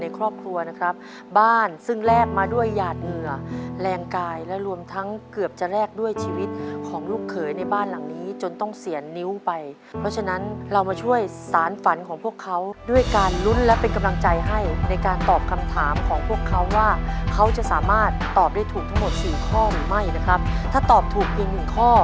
ครอบครัวนะครับบ้านซึ่งแลกมาด้วยหยาดเหงื่อแรงกายและรวมทั้งเกือบจะแลกด้วยชีวิตของลูกเขยในบ้านหลังนี้จนต้องเสียนิ้วไปเพราะฉะนั้นเรามาช่วยสารฝันของพวกเขาด้วยการลุ้นและเป็นกำลังใจให้ในการตอบคำถามของพวกเขาว่าเขาจะสามารถตอบได้ถูกทั้งหมดสี่ข้อหรือไม่นะครับถ้าตอบถูกเพียงหนึ่งข้อ